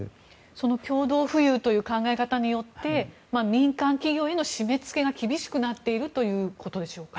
その共同富裕という考え方によって民間企業への締め付けが厳しくなっているということでしょうか。